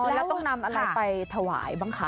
แล้วต้องนำอะไรไปถวายบ้างคะ